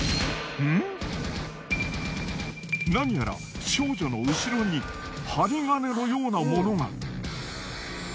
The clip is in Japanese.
何やら少女の後ろに針金のようなものが。